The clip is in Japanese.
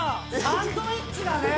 サンドイッチだね！